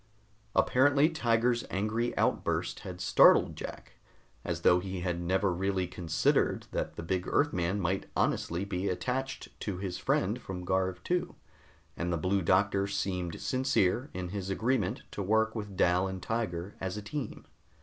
Apparently Tiger's angry outburst had startled Jack, as though he had never really considered that the big Earthman might honestly be attached to his friend from Garv II, and the Blue Doctor seemed sincere in his agreement to work with Dal and Tiger as a team.